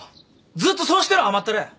ずっとそうしてろ甘ったれ。